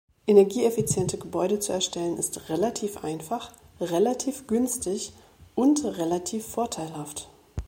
Energieeffiziente Gebäude zu erstellen ist relativ einfach, relativ günstig und relativ vorteilhaft.